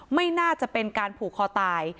ไม่น่าจะเป็นการผูกคอตาย